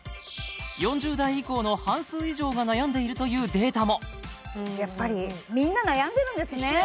４０代以降の半数以上が悩んでいるというデータもやっぱりみんな悩んでるんですね